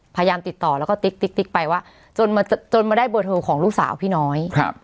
พยายามติดต่อแล้วก็ติ๊กติ๊กติ๊กไปว่าจนมาได้เบอร์โทรของลูกสาวพี่น้อย